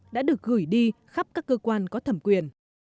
đã được gửi đi khắp các cơ quan có thẩm quyền